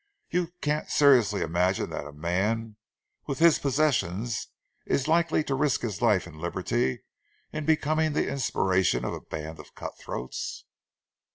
You can't seriously imagine that a man with his possessions is likely to risk his life and liberty in becoming the inspiration of a band of cutthroats?"